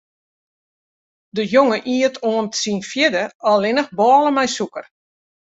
De jonge iet oant syn fjirde allinnich bôle mei sûker.